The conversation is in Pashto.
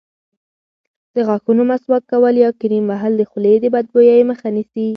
د غاښونو مسواک کول یا کریم وهل د خولې د بدبویۍ مخه نیسي.